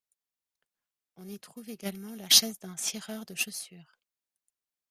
On y trouve également la chaise d'un cireur de chaussures.